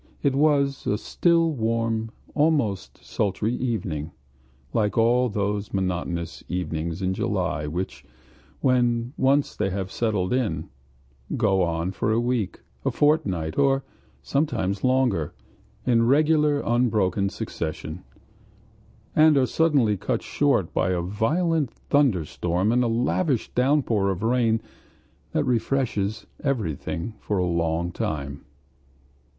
It was a still, warm, almost sultry evening, like all those monotonous evenings in July which, when once they have set in, go on for a week, a fortnight, or sometimes longer, in regular unbroken succession, and are suddenly cut short by a violent thunderstorm and a lavish downpour of rain that refreshes everything for a long time.